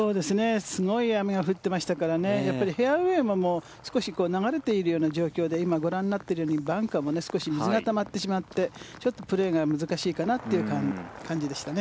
すごい雨が降ってましたからやっぱりフェアウェーも少し流れているような状況で今、ご覧になっているようにバンカーも少し水がたまってしまってちょっとプレーが難しいかなという感じですかね。